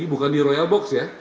bukan di royal box ya